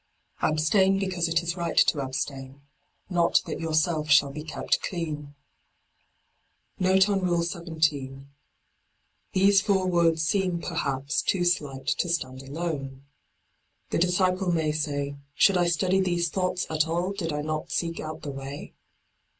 Abstain because it is right to abstain — ^not that your self shall be kept clean. Nofe on Rule 17. — These four words seem, perhaps, too slight to stand alone. The disciple may say, Should I study these thoughts at all did I not seek out the way